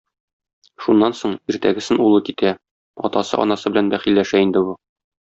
Шуннан соң, иртәгесен улы китә, атасы-анасы белән бәхилләшә инде бу.